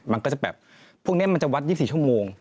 มันก็จะแบบพวกนี้มันจะวัด๒๔ชั่วโมง